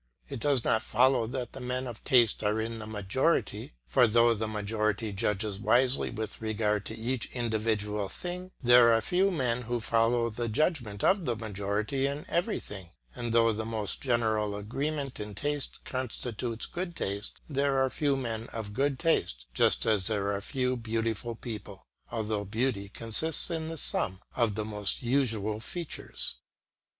It does not follow that the men of taste are in the majority; for though the majority judges wisely with regard to each individual thing, there are few men who follow the judgment of the majority in everything; and though the most general agreement in taste constitutes good taste, there are few men of good taste just as there are few beautiful people, although beauty consists in the sum of the most usual features.